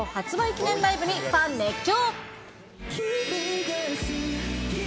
記念ライブにファン熱狂。